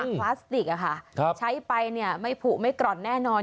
พลาสติกอะค่ะใช้ไปเนี่ยไม่ผูกไม่กร่อนแน่นอน